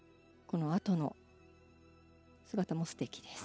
このあとの姿も素敵です。